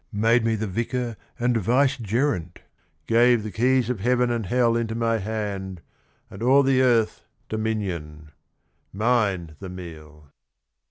Made me the Vicar and Vice gerent, gave The keys of heaven and hell into my hand, And o'er the earth, dominion : mine the meal.